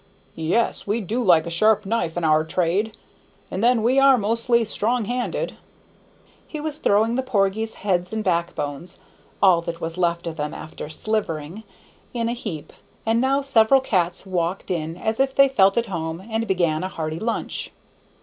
"Yes, we do like a sharp knife in our trade; and then we are mostly strong handed." He was throwing the porgies' heads and backbones all that was left of them after slivering in a heap, and now several cats walked in as if they felt at home, and began a hearty lunch.